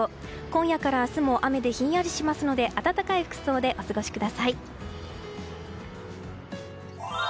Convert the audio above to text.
今夜から明日も雨でひんやりしますので温かい服装でお過ごしください。